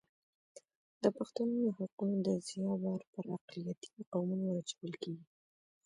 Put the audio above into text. د پښتنو د حقونو د ضیاع بار پر اقلیتي قومونو ور اچول کېږي.